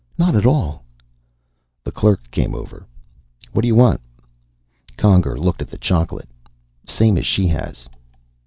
"Not at all." The clerk came over. "What do you want?" Conger looked at the chocolate. "Same as she has."